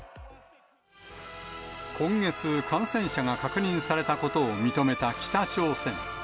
今月、感染者が確認されたことを認めた北朝鮮。